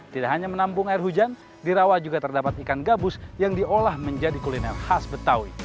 tidak hanya menampung air hujan di rawa juga terdapat ikan gabus yang diolah menjadi kuliner khas betawi